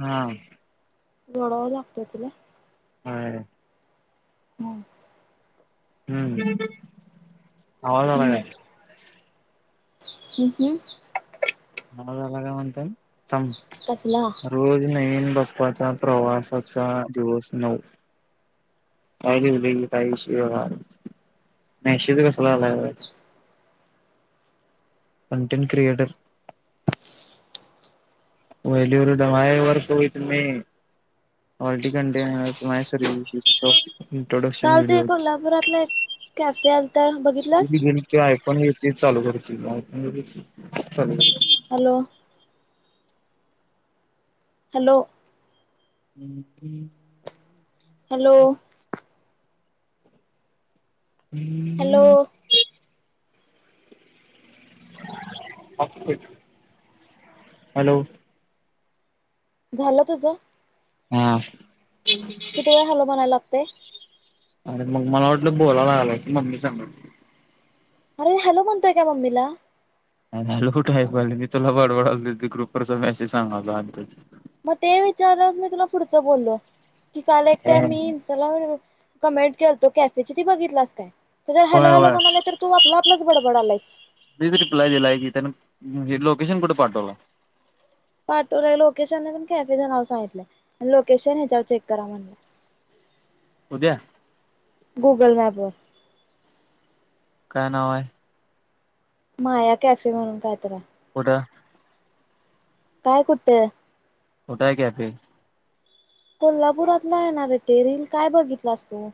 हा. गोडवा लागतोय तिला? हा. हम्. हम्म. आवाज आला काय? हम हं. आवाज आला का म्हणताय? कसला थांब [unintelligible] पाचा प्रवासाचा दिवस नऊ. कायली [unintelligible] नाहीश कसला. Content creator. वलर डय वर्ष होो त म अलट घंट्या मा सरी इंट्रोडक्शन काल ते व्हिडिओ कोल्हापुरातला एक कॅफे आलता बघितलास -गेम आहे पण ते चालू करतीलण चालू- हॅलो. हॅलो. हमकी. हॅलो. हॅलो. [unintelligible] [inaudible] हॅलो. झालं तुझ. हा. किती वेळ हॅलो म्हनायला लागतय. अर मग मला वाटलं बोलाय आलास मम्मी सांग. अरे हॅलो म्हणतोय का मम्मीला हॅलो कुठ आहे मी तुला बडबडालतो ती ग्रुपवरचा मेसेज सांगायलो आणि मग ते विचाराच मी तुला पुढचं बोललो की काल एकटाइम मी इनस्टाला. कमेंट केलतो कॅफेची ती बघितलास काय जर हॅलो होय हॅलो होय. म्हणाले तर तू आपला आपलाच बडबडालायस. तेच रिप्लाय दिलाय की त्यानं लोकेशन कुठे पाठवला. पाठवलाय लोकेशनने पण कॅफेच नाव सांगितलंय लोकेशन ह्याच्यावर चेक करा म्हणलं. [unintelligible] उद्या गुगल मॅप वर काय नाव आहे. माया कॅफे म्हणून कायतर आहे. का? काय कुठ? कुटाय कॅफे. कोल्हापुरातला आहेणारे ते रीलील काय बघितलास तू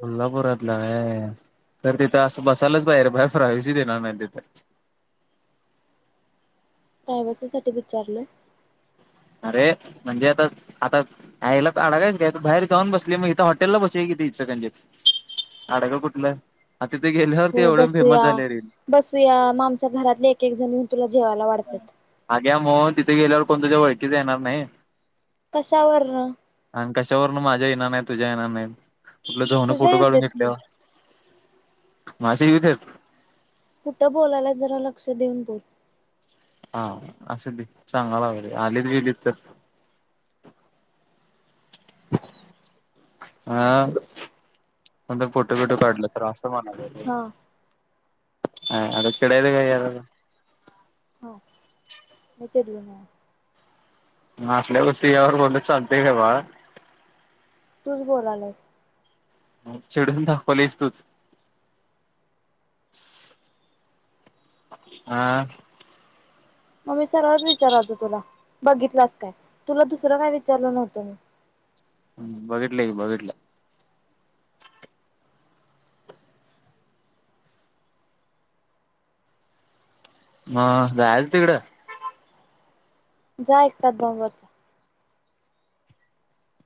कोल्हापुरातलं आहे अं तर तिथं असं बसायलाच बाहेर बाहेर फ्रावीसी देणार नाही म तिथे. ह. प्रायावसी साठी विचारलंय. अरे म्हणजे आता आता आयला [inaudible] घ्यायचं बाहेर जाऊन बसली मग इथं हॉटेलला बसू या कि तीच ज [inaudible] आडग कुठलं. आता तिथे गेल्यावर ते हो एवढे फेमस बसूया झाले रील बसूया मग आमच्या घरातले एक एक जणीऊ [inaudible] अग्या [inaudible] मग तिथे गेल्यावर कोण तुझ्या वळखीत येणार नाही? कशावरण. आणि कशावरन माझ्या येणार नाही तुझ्या येणार नाही कुठलं जऊ [inaudible] ना तुझ्या फोटो येऊ काढून देत की घेतल्यावर. मासे कितीथे [inaudible] कुठं बोलायला जरा लक्ष देऊन बोल [inaudible] हा असु दे सांगाय लागलो आले गेलीत तर [unintelligible] हा पण जर फोटो बिटो काढलं तर मग असं म्हणालो. हा अ अत चिडायच काय आता हो मी चिडले मुळ. असल्यावरती यावर बोल चालतेय का बा तूच स बोलालायलस. चिडून दाखवलेस तूच. आ [inaudible] मग मी सरळच विचारालतो तुला बघितलास काय तुला दुसरं काय विचारलं नव्हतं मी ह [unintelligible] ्ह बघिटल कि बघिटल. म जायच तिकडं. जाय एकटाच दमवाच.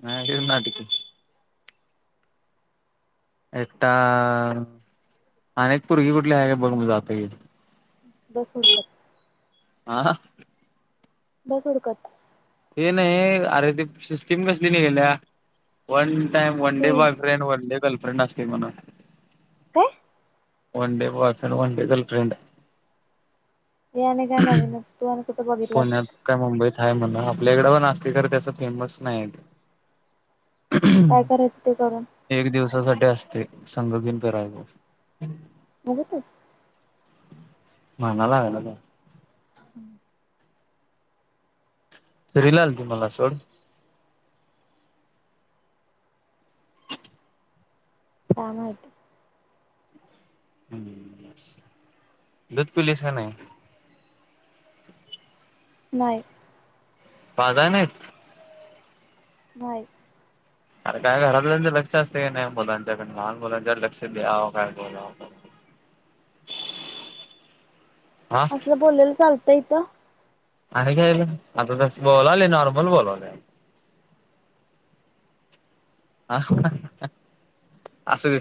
ह लय नाटिकी. एकटा अ अनेक पुर्गी कुठली आहे का बघ मग जात घेऊन. बस हुडकत. हा बस हुडकत. ते नाही अरे ते सिस्टीम कसली निघाल्या पण, टाइम वनडे ती बॉयफ्रेंड वनडे गर्लफ्रेंड असते म्हण. काय? वनडे बॉयफ्रेंड वनडे गर्लफ्रेंड हे आणि काय नवीनच तू कुठे बघितलास पुण्यात काय मुंबईत आहे म्हण आपल्या इकडे व असते खर त्याचा फेमस नाही. काय आहे करायचं ते करून एक असते संग घेऊन फिरायला. बघतच, ह नला वेला का. हम्म. त रिलाल त मला सोड कामात हे. दुध पिलीस का नाही? नाही. पाजय नाही. नाही. अरे काय घरातल्याच लक्ष असतं का नाही मुलांच्याकड लहान मुलांच्या लक्ष द्यां, काय बोला. हा असलं बोलाला चालतं इथं. आहे का्यायला आता तस बोलाले नॉर्मल बोलाले. हा. असं वि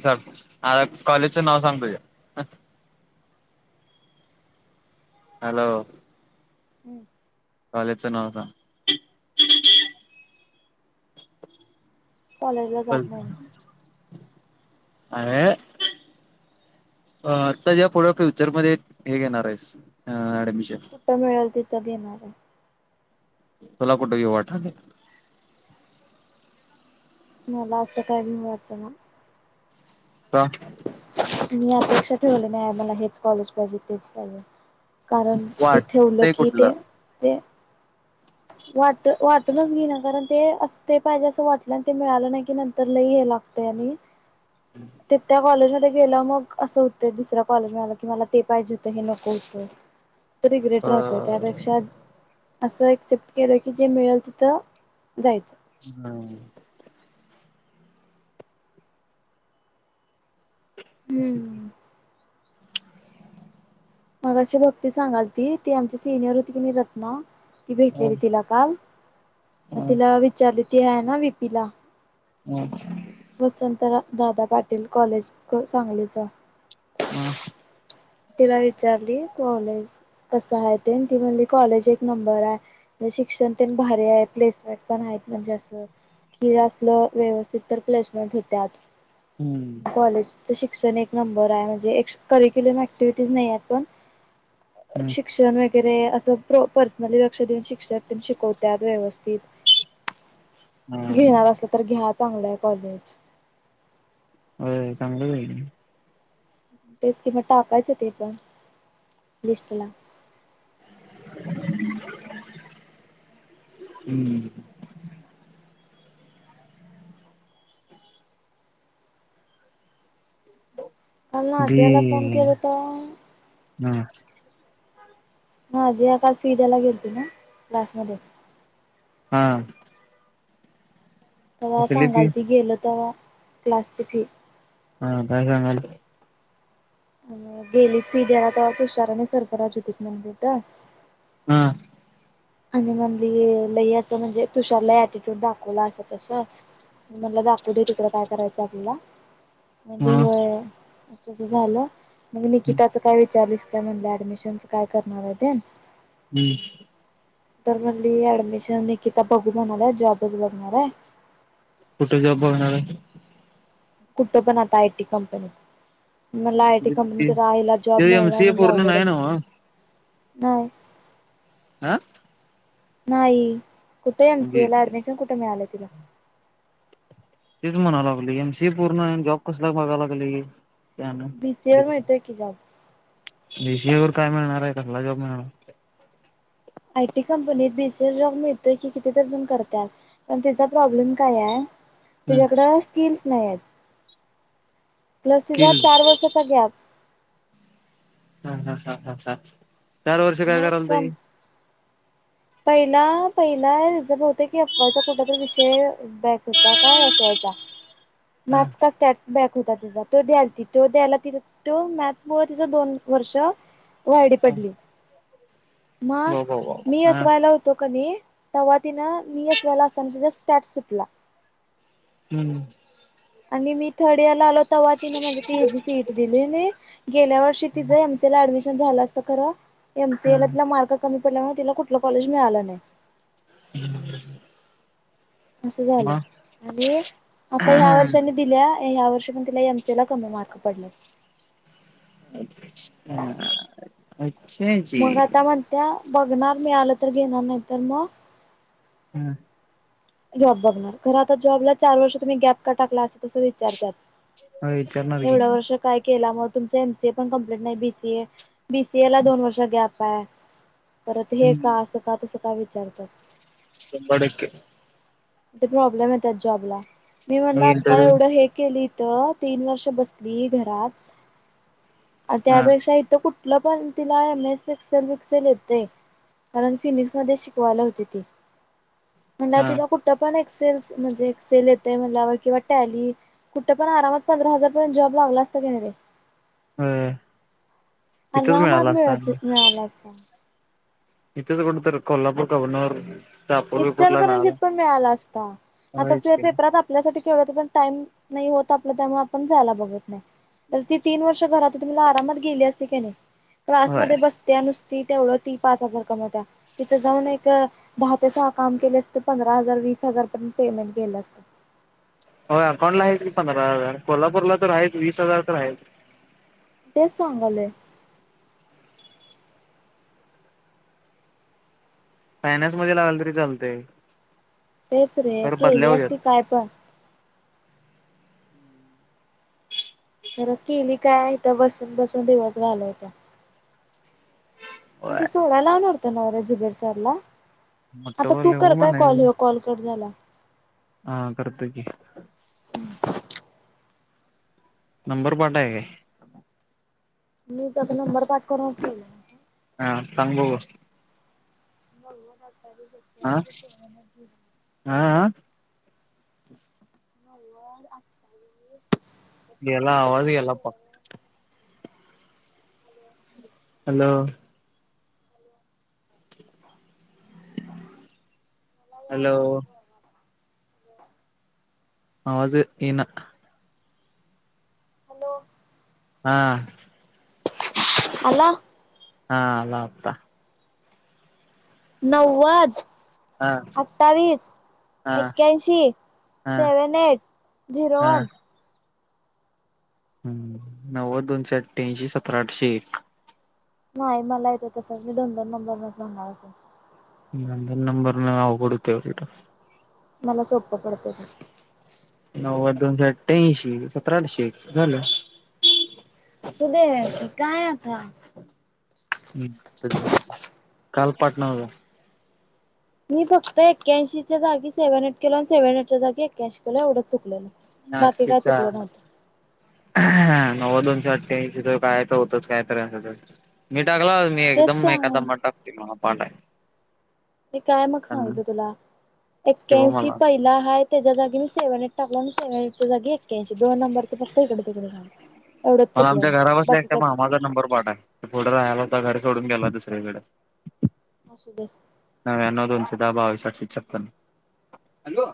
आ कॉलेजचं नाव सांग तुझ्या. [unintelligible] हॅलो! हम्म. कॉलेजचं नाव सांग. कॉलेजला अे... जात नाही मी अ आता ज पुढ्या फ्युचर मध्ये हे घेणार आहे ऍडमश. कुठं मिळेल तिथं घेणार आहे. तुला कुठे घ्या वाटले. मला असं काही वाटना. का? मी अपेक्षा ठेवले नाही मला हेच कॉलेज पाहिजे तेच पाहिजे. कारण तिथे उलट वाटतय की कुठलं ते ते वाट वाटूनच घे ना कारण ते अस ते पाहिजे असं वाटलं ते मिळालं नाही की नंतर लई लागतो म्हणे [unintelligible] गेलं मग असं होतं दुसऱ्या कॉलेज मलं की मला ते पाहिजे होत हे नको होतं. तरी अ ग्रेट राहतोय त्यापेक्षा असं क्सेप्ट केलं की जे मिळेल तिथं जायचं. नाही. अस, हम्म. मग अशी भक्ती सांगाल ती ती आमची सिनियर होती की नि रात ना ती भेटलेली तिला काल. मग तिला विचारली ती आहे ना विपीला. अा. वसंत दादा पाटील कॉलेज सांगलीचा. बा. तिला विचारली. कॉलेज कस आहे ते ती म्हणली कॉलेज एक नंबर आहे म्ह शिक्षण ते भारी आहे. प्लेसमेंट पण आहेत म्हणजे अस असलं व्यवस्थित तर प्लेसमेंट होत्यात. हम्म कॉलेजच शिक्षण एक नंबर आहे म्हणजे एक करिक्युलम नाही पण हम्म शिक्षण वगैरे. अस पर्सनली लक्ष देऊन शिक्षक शिकवतात व्यवस्थित. हा घेणार असलं तर घ्या चांगलं आहे कॉलेज. हो चांगलं [unintelligible] तेच किंवा टाकायचं ते पण लिस्टला. हम्म का ना बी अजयाला फोन केलता. हम्म ह जे काल फी द्यायला गेलती ना क्लासमध्ये. हा तेव्हा सांगाल ती गेल तेव्हा क्लासची फी हा काय सांगल. गेली फी द्याला तेव्हा तुशार आणि सरफराज [unintelligible] हां आणि म्हणली लई असं म्हणजे तुषारला एटीट्यूड दाखवला अस तस. मी मणला दाखव दे तिकडं काय करायचं आपल्याला. हा म्हण हम्म होय अस झालं मग निकिताच काय विचारस. त्या म्हण ऍडमिशनच काय करणार आहे ते. हम्म तर मली ऍडमिशन निकिता बघू म्हणालाय जॉबच बघणारय. कुठे जॉब बघणार आहे. कुठं पण आता आयटी कंपनीत. मला आयटी कंपनीत राहिला ते जॉब एम मिळणार सी ए म्हणजे पूर्ण अवघडच नाही आहे. नव्ह नाहीय. आं नाही कुठ एम सी ए ला अऍडमिशन कुठे मिळाले तीला तेच म्हणा लागली एम सी ए पूर्ण आहे जॉब कसला बघायला लागली? बी सी वर मिळतोय की जॉब बी सी वर काय मिळणार आहे कसला जॉब मिळणार? आय टी कंपनीत बी सीएस जॉब मिळतोय की किती दर्जण करतात पण तिचा प्रॉब्लेम काय आहे. त्याच्याकडं स्किल्स नाही आहेत. प्लस तिचा स्किल्स चार वर्षाचा गॅप. ह हा हा हा चार वर्ष काय मग करालत कम ही? पहिला पहिला बत की अफ्वाचा कुठला तरी विषय बॅक होता का एस वायचा. म ह का स्टॅ्स बॅक होता तिचा तो द्यायला त तो द्यायला ति तो मॅ [unintelligible] मु तिचा दोन वर्ष वायडी पडली. म वा वा वा मी यस हा वाय ला होतो. तव्हा तिन मी एस वायला असताना तिचा स्टॅट सुटला. हम्म आणि मी थर्ड इयर ला आलो तवा तिन म्हणे ती सीट दिलेली गेल्या वर्षी तिच एम सी ला ऍडमिशन झालं खर एम ह सी एल ला मार्क कमी पडल्या तिला कुठ कॉलेज मिळालं नाही. [inaudible] असं झालं आणि आता ह्या वर्षानी दिल्या ह्या वर्ष तिला एम सी कमी मार्क पडलेलं. हा मग आता म्हणत्या बघणार मिळालं तर घेणार नाही तर मग हम्म जॉब बघणार खर आता जॉबला चार वर्ष तुम्ही गॅप का टाकला असेल तसं विचारतात अ विचारणारखी के मग तुमच एमसीए पण कंप्लीट नाही बीसीए बीसीए ला दोन वर्ष गॅप आहे परत हे का असं का तसं का विचारतात चबाक ते प्रॉब्लेम आहे त्या जॉबला मी मग म्हणला आता इंटरव्ह्यू एवढं हे केली तीन वर्ष बसली घरात हा त्यापेक्षा इथ कुठ ला प तलाय मे सिकस विकसेते कारण फिनिक्स मध्ये शिकवायला होती ती म्हण हा तिला कुठ म्हणल कुण आम प खला असत केन हम् अ रामात मिळत मिळाला असता इथेच कोण तर कोल्हापूर कव्हनर इचार करंजित पण मिळाला असता आता होयच ते की पेपरात आपल्यासाठी ब त व तुमला आरामात गेली असते त्याने क्लास होय मध्ये बसते नुस ती तेवढं ती पाच हजार कमवत्या तिथं जाऊन एक काम केले असते पंधरा हजार वीस हजार पर्यंत पेमेंट केलं असतं होय अकाऊंट ला आहेच की पंधरा हजार कोल्हापूरला तर आहेच वीस हजार तर आहे तेच सांगलेय फायनान्स मध्ये लागला तरी चालतय तेच रे खर बदल्या केली असती होत्यात काय पण खर केली कायथ बसून बसून दिवस घाल होता आणि होय ते सोहडा लावूनतो नव्या जुबेर सरला मोठ आता तू बोलले हो कर काय म्हणायच कॉल कॉल कर झाला हा करत क नंबर पट आहे का मी त्याचा नंबर पाठ करून अस के हा सांो हो आह आा आ नव्वद अठ्ताावीस ला वाळजला पा अल ह मलाला हॅलो आवाज ये ना हॅलो हां अला हा आप नव्वद हा अठ्ठावीस हा एक्क्याऐंशी हा सेव्हन एऐट झिरो वन हम् नव्वद दोनशे अठठ्यांशी सतरा आठशे एक नाही मला येतो तसच मी दोन दोन नंबर नच म्हणणार असं नंदन नंबर न आघडूतेवड मला स्वप्न पडत तस. नव्वद दोनशे अठ्ठ्यांशी सतराशे झालं. हा. हम्म [unintelligible] काल पाटणाला. मी फक्त एक्याऐंशीच्या जागी सेव्हन एट केल आणि सेव्हनटच्या जागी एक्क्यांशी केल एवढंच चुकलेलं. अन बाकी काय चुकलं आठशेचार. नव्हतं नव्वद दोनशे अटक्याऐंशी तर काय तर होतच काय तरी असी टाला मी एकद तेच म सांग मंडप ठिकाण पाडले. मी काय मग सांगितलं तुला किंवा एक्क्यांशी मला पहिला आहेत. त्याच्या जाग मी सेव्हनट टाकला आणि सेव्हनटच्या जाग एक्क्यानशी दोन नंबरच फक्त इकडे तिकडे झालं. एवढंच मला आमच्या चुकलेलं घरा बाकी बसल्या काय मामाचा नंबर पाठे पुढे राहायला होता घर सोडून गेला तस असू दे. नाव अनो [unintelligible] दाहा बावीस आठशे छपन हॅलो.